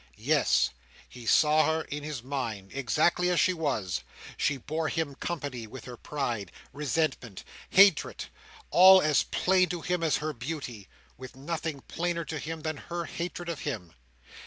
Yes. He saw her in his mind, exactly as she was. She bore him company with her pride, resentment, hatred, all as plain to him as her beauty; with nothing plainer to him than her hatred of him.